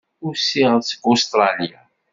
Usiɣ-d seg Ustṛalya.